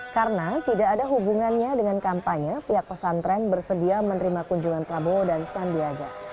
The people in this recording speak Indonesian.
karena tidak ada hubungannya dengan kampanye pihak pesantren bersedia menerima kunjungan prabowo dan sandiaga